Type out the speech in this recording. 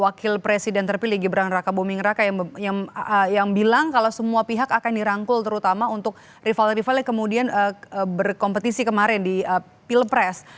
wakil presiden terpilih gibran raka buming raka yang bilang kalau semua pihak akan dirangkul terutama untuk rival rival yang kemudian berkompetisi kemarin di pilpres